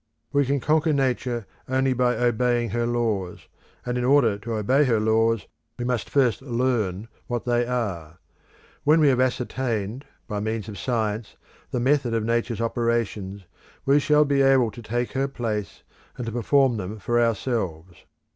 We can conquer Nature only by obeying her laws, and in order to obey her laws we must first learn what they are. When we have ascertained, by means of Science, the method of Nature's operations, we shall be able to take her place and to perform them for ourselves.